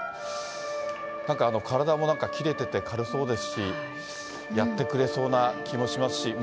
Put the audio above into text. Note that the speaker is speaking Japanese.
なんか体もなんかキレてて軽そうですし、やってくれそうな気もしますし。